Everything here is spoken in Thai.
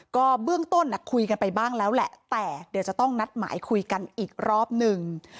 ก็เบื้องต้นคุยกันไปบ้างแล้วแหละแต่เดี๋ยวจะต้องนัดหมายคุยกันอีกรอบหนึ่ง